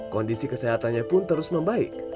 kondisi kesehatannya pun terus membaik